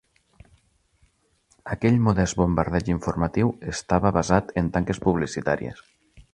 Aquell modest bombardeig informatiu estava basat en tanques publicitàries.